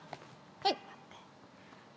はい。